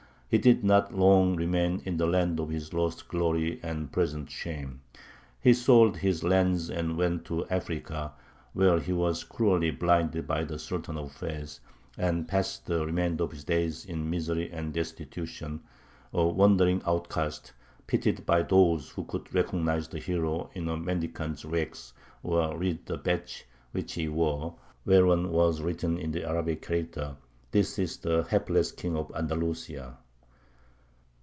He did not long remain in the land of his lost glory and present shame; he sold his lands and went to Africa, where he was cruelly blinded by the Sultan of Fez, and passed the remainder of his days in misery and destitution, a wandering outcast, pitied by those who could recognize the hero in a mendicant's rags, or read the badge which he wore, whereon was written in the Arabic character, "This is the hapless King of Andalusia."